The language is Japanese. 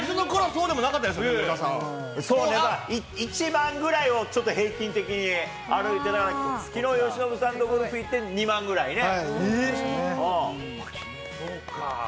そうね、１万ぐらいをちょっと平均的に歩いて、きのう由伸さんとゴルフ行って２万ぐらいね。